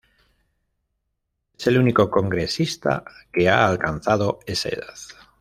Es el único congresista que ha alcanzado esa edad.